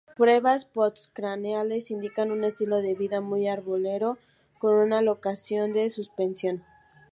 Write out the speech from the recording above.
Pruebas postcraneales indican un estilo de vida muy arbóreo con una locomoción de suspensión.